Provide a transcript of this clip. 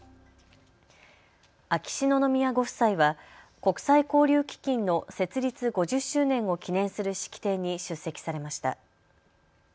秋篠宮ご夫妻は国際交流基金の設立５０周年を記念する式典に出席されました。